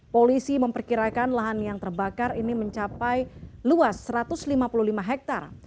polisi memperkirakan lahan yang terbakar ini mencapai luas satu ratus lima puluh lima hektare